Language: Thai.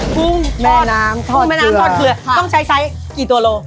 กุ้งแม่น้ำทอดเกลือต้องใช้ไซส์กี่ตัวโล